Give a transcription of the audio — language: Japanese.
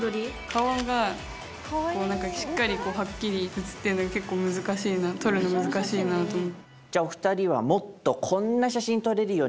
顔がこう何かしっかりはっきり写ってるのが結構難しいな撮るの難しいなと思う。